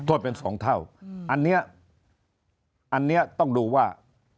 โทษเป็นสองเท่าอันนี้ต้องดูว่า